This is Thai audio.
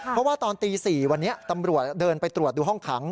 เพราะว่าตอนตี๔วันนี้ตำรวจเดินไปตรวจดูห้องขัง